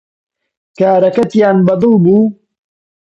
کارەکەتیان بەدڵ بوو